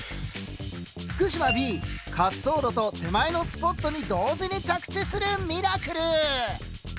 福島Ｂ滑走路と手前のスポットに同時に着地するミラクル！